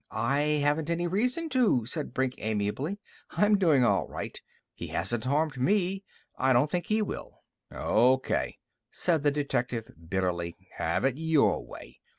"I haven't any reason to," said Brink amiably. "I'm doing all right. He hasn't harmed me. I don't think he will." "O.K.!" said the detective bitterly. "Have it your way!